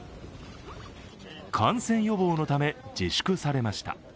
感染予防のため自粛されました。